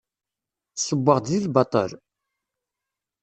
Ssewweɣ-d deg lbaṭel?